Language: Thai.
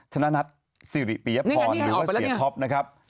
ธนัทสิริปิยพรหรือว่าเสียท็อปนะครับ